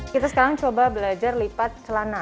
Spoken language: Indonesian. kita sekarang coba belajar lipat celana